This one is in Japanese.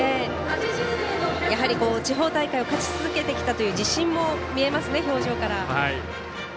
やはり、地方大会を勝ち続けてきたという自信も見えましたね、表情から。